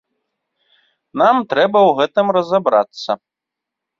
Нам трэба ў гэтым разабрацца.